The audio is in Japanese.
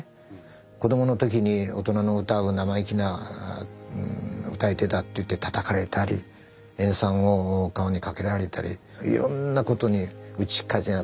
子供の時に大人の歌う生意気な歌い手だってたたかれたり塩酸を顔にかけられたりいろんな事に乗り越えながらね